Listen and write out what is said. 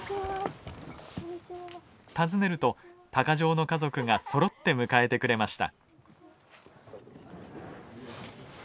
訪ねると鷹匠の家族がそろって迎えてくれました。